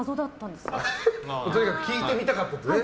とにかく聞いてみたかったのね。